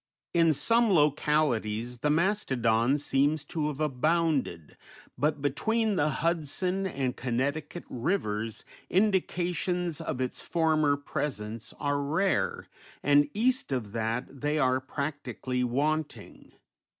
In some localities the mastodon seems to have abounded, but between the Hudson and Connecticut Rivers indications of its former presence are rare, and east of that they are practically wanting.